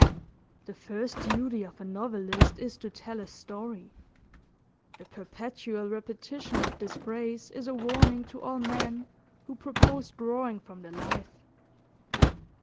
'The first duty of a novelist is to tell a story:' the perpetual repetition of this phrase is a warning to all men who propose drawing from the life.